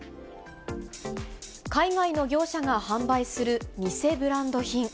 海外の業者が販売する偽ブランド品。